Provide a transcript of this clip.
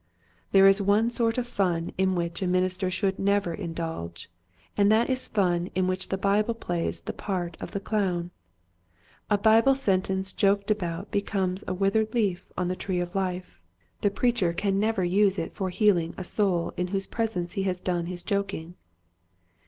There is one sort of fun in which a min ister should never indulge, and that is fun in which the Bible plays the part of the clown. A Bible sentence joked about be comes a withered leaf on the tree of life. Foolishness. 155 The preacher can never use it for the heal ing of a soul in whose presence he has done his joking.